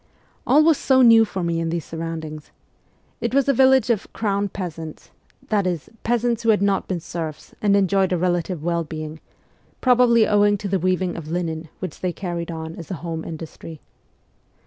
All was so new for me in these surroundings. It was a village of ' Crown peasants' that is, peasants who had not been serfs and enjoyed a relative well being, probably owing to the weaving of linen which they carried on as a home industry.